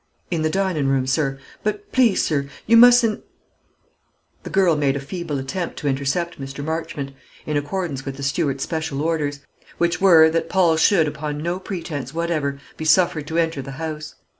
"In the dinin' room, sir; but please, sir, you mustn't " The girl made a feeble effort to intercept Mr. Marchmont, in accordance with the steward's special orders; which were, that Paul should, upon no pretence whatever, be suffered to enter the house.